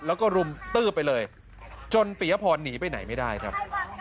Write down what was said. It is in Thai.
แล้วก็รุมตื้อไปเลยจนปียพรหนีไปไหนไม่ได้ครับ